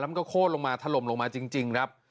มันก็โค้นลงมาถล่มลงมาจริงครับ